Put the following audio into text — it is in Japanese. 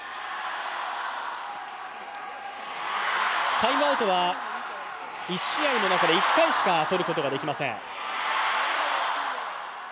タイムアウトは１試合の中で１回しか取ることができません。